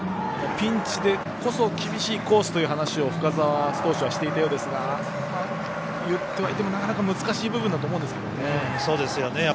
ピンチでこそ厳しいコースという話を深沢は少ししていたようですが言ってはいてもなかなか難しい部分だとは思うんですけどね。